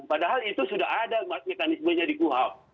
padahal itu sudah ada mekanismenya di kuhap